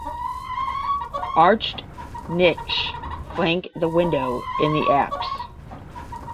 Arched niches flank the window in the apse.